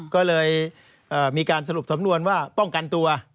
ก็เลยมีการสรุปสำนวนว่าป้องกันตัว